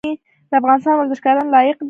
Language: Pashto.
د افغانستان ورزشکاران لایق دي